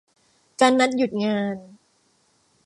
การนัดหยุดงาน